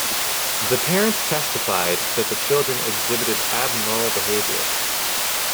The parents testified that the children exhibited abnormal behavior.